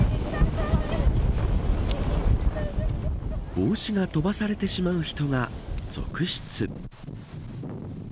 帽子が飛ばされてしまう人が続出。